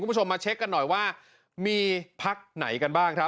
คุณผู้ชมมาเช็คกันหน่อยว่ามีพักไหนกันบ้างครับ